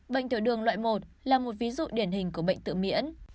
bệnh tiểu đường loại một là một ví dụ điển hình của bệnh tự miễn